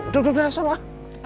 duduk deh asal lah